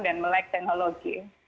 dan melek teknologi